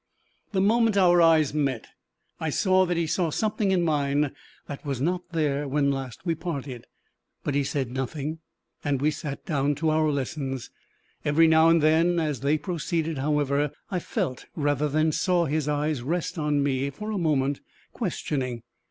The moment our eyes met, I saw that he saw something in mine that was not there when last we parted. But he said nothing, and we sat down to our lessons. Every now and then as they proceeded, however, I felt rather than saw his eyes rest on me for a moment, questioning.